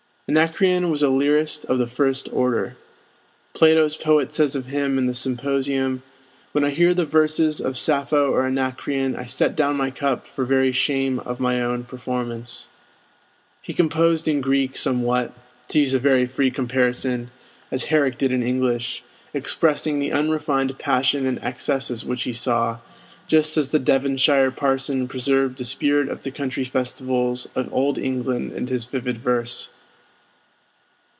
Anacreon was a lyrist of the first order. Plato's poet says of him in the 'Symposium,' "When I hear the verses of Sappho or Anacreon, I set down my cup for very shame of my own performance." He composed in Greek somewhat, to use a very free comparison, as Herrick did in English, expressing the unrefined passion and excesses which he saw, just as the Devonshire parson preserved the spirit of the country festivals of Old England in his vivid verse.